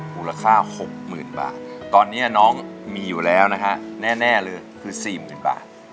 มูลค่าหกหมื่นบาทตอนนี้น้องมีอยู่แล้วนะคะแน่เลยคือสี่หมื่นบาท